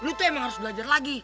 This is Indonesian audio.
lu tuh emang harus belajar lagi